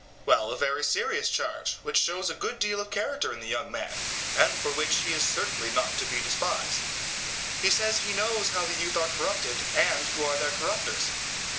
Well, a very serious charge, which shows a good deal of character in the young man, and for which he is certainly not to be despised. He says he knows how the youth are corrupted and who are their corruptors.